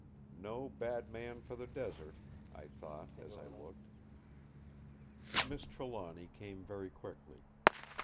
"No bad man for the Desert!" I thought as I looked. Miss Trelawny came very quickly.